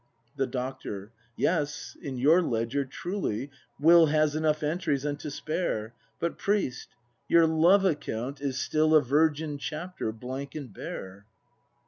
The Doctor. Yes, in your ledger, truly. Will Has enough entries and to spare: But, priest, your L o v e account is still A virgin chapter, blank and bare.